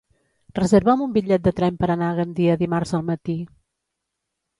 Reserva'm un bitllet de tren per anar a Gandia dimarts al matí.